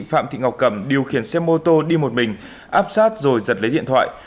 phạm thị ngọc cẩm điều khiển xe mô tô đi một mình áp sát rồi giật lấy điện thoại